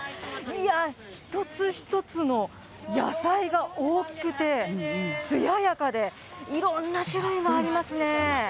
いや、一つ一つの野菜が大きくて、つややかで、いろんな種類がありますね。